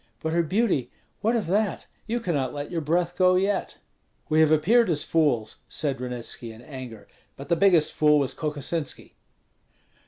But her beauty, what of that? You cannot let your breath go yet." "We have appeared as fools," said Ranitski, in anger; "but the biggest fool was Kokosinski."